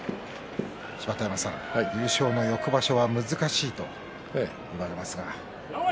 芝田山さん、優勝の翌場所は難しいと言われますが。